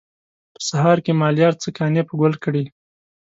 په سهار کې مالیار څه کانې په ګل کړي.